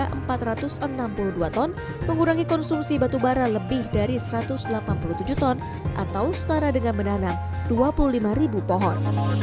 ketika ini kondisi karbon di indonesia sudah menurun dari empat ratus delapan puluh dua ton mengurangi konsumsi batubara lebih dari satu ratus delapan puluh tujuh ton atau setara dengan menanam dua puluh lima ribu pohon